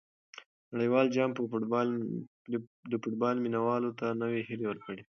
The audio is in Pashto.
نړیوال جام به د فوټبال مینه والو ته نوې هیلې ورکړي.